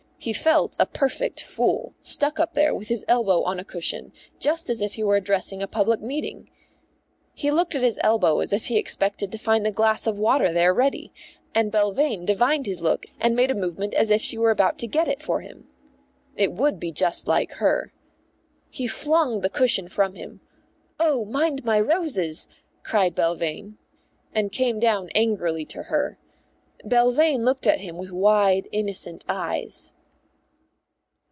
He felt a perfect fool, stuck up there with his elbow on a cushion, just as if he were addressing a public meeting. He looked at his elbow as if he expected to find a glass of water there ready, and Belvane divined his look and made a movement as if she were about to get it for him. It would be just like her. He flung the cushion from him ("Oh, mind my roses," cried Belvane) and came down angrily to her. Belvane looked at him with wide, innocent eyes.